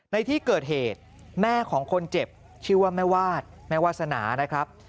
ในที่เกิดเหตุแม่ของคนเจ็บชื่อว่าแม่วาดแม่วาสนานะครับ